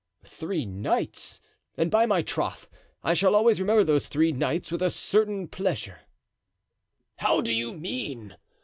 "Three nights; and, by my troth, I shall always remember those three nights with a certain pleasure." "How do you mean?"